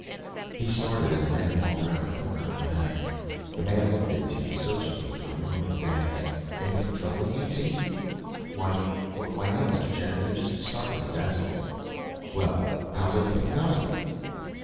He started, as a man walked around the corner of the hangar. The man looked at Tee searchingly for a moment, then asked, "Anything troubling you, Tee?" "Why ... why, no, Mr. Jenner. You just startled me, that's all." "Well, how's everything coming?"